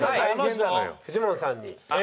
フジモンさんに。